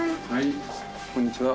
こんにちは。